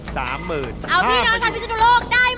เอาพี่น้องชาวพิศนุโลกได้ไหม